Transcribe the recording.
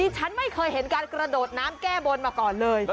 ฉันไม่เคยเห็นการกระโดดน้ำแก้บนมาก่อนเลย